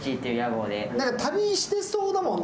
旅してそうだもんね。